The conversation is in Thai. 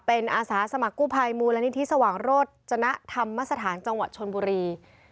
เป็นอาสาสมัครกู้ภัยมูลนิธิสว่างโรจนธรรมสถานจังหวัดชนบุรี